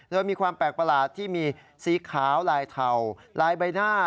โดยมีความแปลกประหลาดที่มีสีขาวลายเทาลายใบหน้า